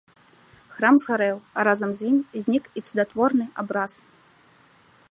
Храм згарэў, а разам з ім знік і цудатворны абраз.